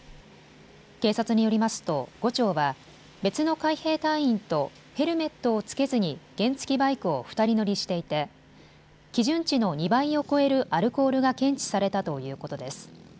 警察によりますと伍長は別の海兵隊員とヘルメットを着けずに原付きバイクを２人乗りしていて基準値の２倍を超えるアルコールが検知されたということです。